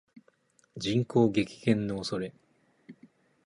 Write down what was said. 人口激減の恐れ